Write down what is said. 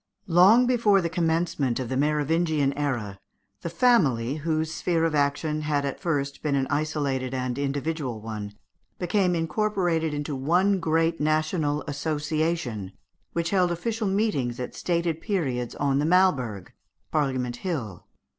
Long before the commencement of the Merovingian era, the family, whose sphere of action had at first been an isolated and individual one, became incorporated into one great national association, which held official meetings at stated periods on the Malberg (Parliament hill).